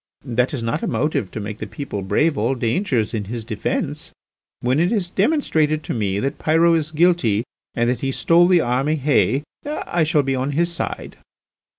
That is not a motive to make the people brave all dangers in his defence. When it is demonstrated to me that Pyrot is guilty and that he stole the army hay, I shall be on his side."